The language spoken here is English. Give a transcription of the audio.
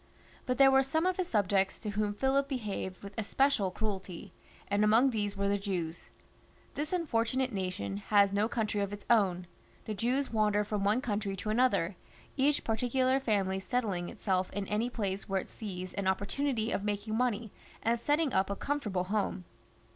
But there were some of his subjects to whom PhUip behaved with especial cruelty, and among these were the Jews. This unfortunate nation has no country of its own ; the Jews wander from one country to another, each parti ctdar family settling itself in any place where it sees an opportunity of making money, and setting up a comfort able home.